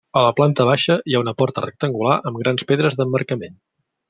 A la planta baixa, hi ha una porta rectangular amb grans pedres d'emmarcament.